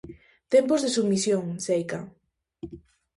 Tempos de submisión, seica.